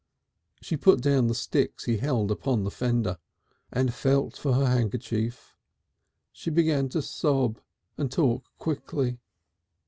She put down the sticks she held upon the fender, and felt for her handkerchief. She began to sob and talk quickly.